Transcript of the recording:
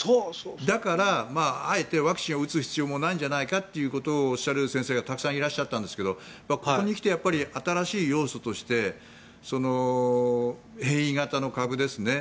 だから、あえてワクチンを打つ必要もないんじゃないかということをおっしゃる先生方もたくさんいらっしゃったんですがここに来て新しい要素として変異型の株ですね。